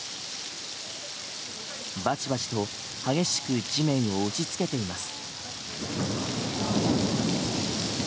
バチバチと激しく地面を打ちつけています。